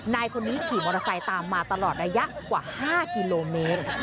นายคนนี้ขี่มอเตอร์ไซค์ตามมาตลอดระยะกว่า๕กิโลเมตร